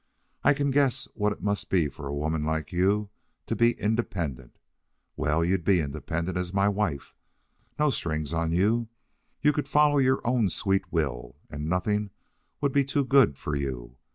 I can guess what it must be for a woman like you to be independent. Well, you'd be independent as my wife. No strings on you. You could follow your own sweet will, and nothing would be too good for you.